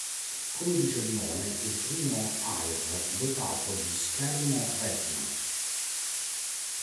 Come dice il nome, è il primo Air dotato di schermo Retina.